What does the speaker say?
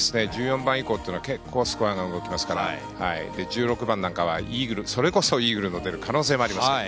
１４番以降というのは結構スコアが動きますから１６番なんかはそれこそイーグルの出る可能性もありますから。